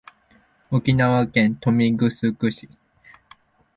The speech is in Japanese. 沖縄県豊見城市